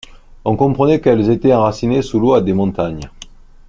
On comprenait qu’elles étaient enracinées sous l’eau à des montagnes.